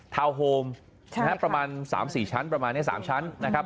ทาวน์โฮมใช่นะครับประมาณสามสี่ชั้นประมาณเนี้ยสามชั้นนะครับ